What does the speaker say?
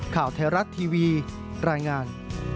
ข่าวไทยรัฐทีวีรายงาน